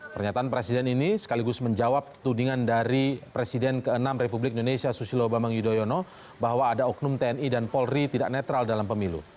pernyataan presiden ini sekaligus menjawab tudingan dari presiden ke enam republik indonesia susilo bambang yudhoyono bahwa ada oknum tni dan polri tidak netral dalam pemilu